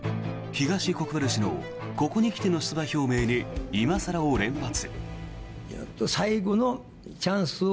東国原氏のここに来ての出馬表明に今更を連発。